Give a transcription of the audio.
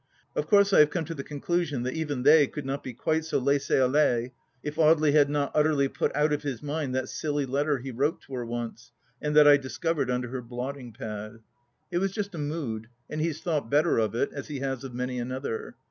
Of course I have come to the conclusion that even they could not be quite so laissez aUer if Audely had not utterly put out of his mind that silly letter he wrote to her once, and that I discovered under her blottmg pad. It was just a mood, and he has thought better of it, as he has of many another.